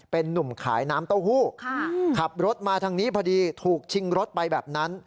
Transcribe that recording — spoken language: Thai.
เป็นนุ่มขายน้ำเต้าหู้ขับรถมาทางนี้พอดีถูกชิงรถไปแบบนั้น